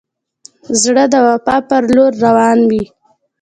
زړه د وفا پر لور روان وي.